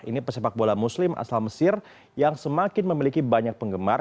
ini pesepak bola muslim asal mesir yang semakin memiliki banyak penggemar